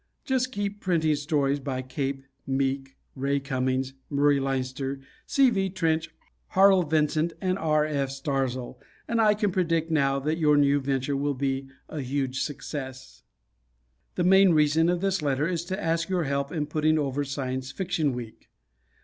Just keep printing stories by Cape, Meek, Ray Cummings, Murray Leinster, C. V. Tench, Harl Vincent and R. F. Starzl and I can predict now that your new venture will be a huge success. The main reason of this letter is to ask your help in putting over Science Fiction Week.